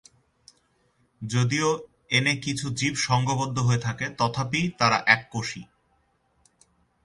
যদিও এনে কিছু জীব সংঘবদ্ধ হয়ে থাকে, তথাপি তারা এককোষী।